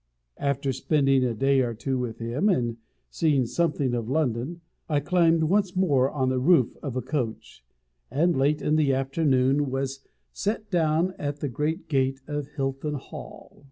After spending a day or two with him, and seeing something of London, I climbed once more on the roof of a coach; and, late in the afternoon, was set down at the great gate of Hilton Hall.